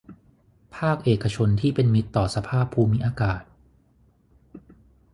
ภาคเอกชนที่เป็นมิตรต่อสภาพภูมิอากาศ